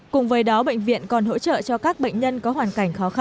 cùng với đó bệnh viện còn hỗ trợ cho các bệnh nhân có hoàn cảnh khó khăn